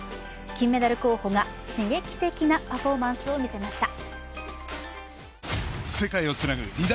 金メダル候補が刺激的なパフォーマンスを見せました。